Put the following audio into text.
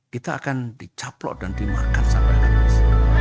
kita akan dicaplok dan dimahkan sama anies